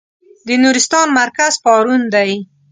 د نورستان مرکز پارون دی.